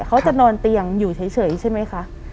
เขาจะนอนเตียงอยู่เฉยใช่ไหมคะ